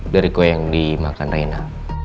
dari kue yang dimakan raina